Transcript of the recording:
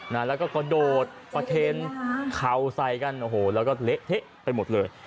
แล้วก็กระโดดประเคนเขาใส่กันโอ้โหแล้วก็เละเทะไปหมดเลย